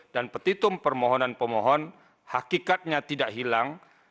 dan petitum permohonan pemohon hakikatnya tidak hilang